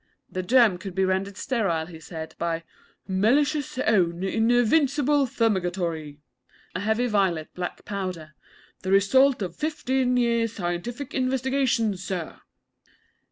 The germ could be rendered sterile, he said, by 'Mellish's Own Invincible Fumigatory' a heavy violet black powder ' the result of fifteen years' scientific investigation, Sir!'